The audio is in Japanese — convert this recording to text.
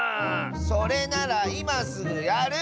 それならいますぐやる！